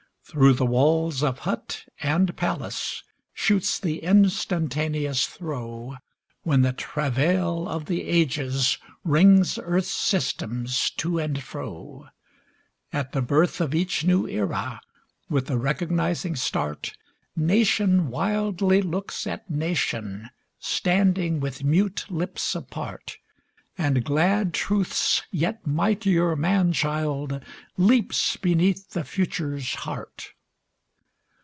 Through the walls of hut and palace shoots the instantaneous throe, When the travail of the Ages wrings earth's systems to and fro; At the birth of each new Era, with a recognizing start, Nation wildly looks at nation, standing with mute lips apart, And glad Truth's yet mightier man child leaps beneath the Future's heart.